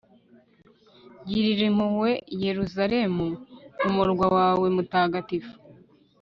girira impuhwe yeruzalemu, umurwa wawe mutagatifu